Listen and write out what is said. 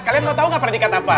kalian udah tahu gak predikat apa